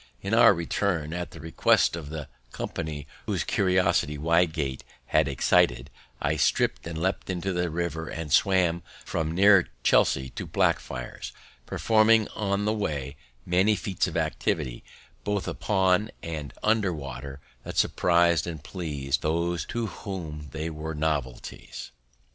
In our return, at the request of the company, whose curiosity Wygate had excited, I stripped and leaped into the river, and swam from near Chelsea to Blackfriar's, performing on the way many feats of activity, both upon and under water, that surpris'd and pleas'd those to whom they were novelties.